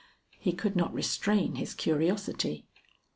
He could not restrain his curiosity.